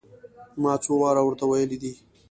ما څو واره ور ته ويلي دي.